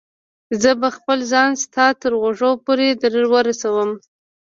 زه به خپل ځان ستا تر غوږو پورې در ورسوم.